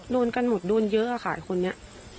โดนกันหมดโดนเยอะอะค่ะคนนี้